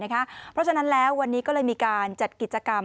เพราะฉะนั้นแล้ววันนี้ก็เลยมีการจัดกิจกรรม